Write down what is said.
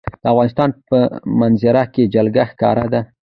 د افغانستان په منظره کې جلګه ښکاره ده.